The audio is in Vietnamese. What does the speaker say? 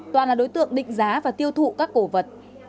toàn là đối tượng định giá và tiêu thụ các cổ vật